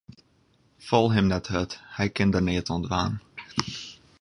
Fal him net hurd, hy kin der neat oan dwaan.